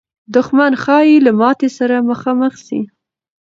دښمن ښایي له ماتې سره مخامخ سي.